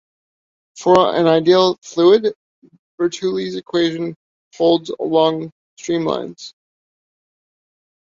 For an ideal fluid, Bernoulli's equation holds along streamlines.